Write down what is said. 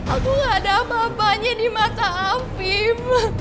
aku gak ada apa apanya di mata apim